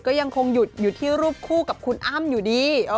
ก็ยังคงหยุดอยู่ที่รูปคู่กับคุณอ้ำอยู่ดี